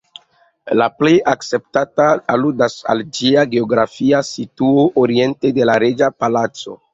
La plej akceptata aludas al ĝia geografia situo, oriente de la Reĝa Palaco.